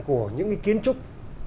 của những cái kiến trúc